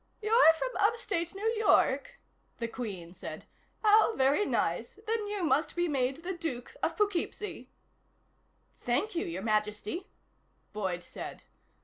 "You're from upstate New York?" the Queen said. "How very nice. Then you must be made the Duke of Poughkeepsie." "Thank you, Your Majesty," Boyd said.